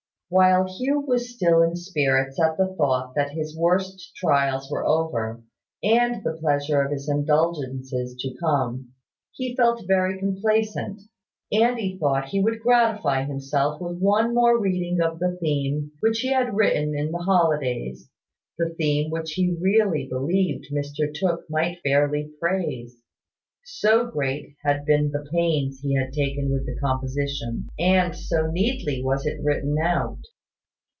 While Hugh was still in spirits at the thought that his worst trials were over, and the pleasure of his indulgences to come, he felt very complacent; and he thought he would gratify himself with one more reading of the theme which he had written in the holidays, the theme which he really believed Mr Tooke might fairly praise, so great had been the pains he had taken with the composition, and so neatly was it written out.